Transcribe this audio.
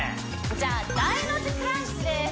じゃあ大の字クランチです